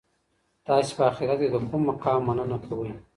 تاسي په اخیرت کي د کوم مقام مننه کوئ؟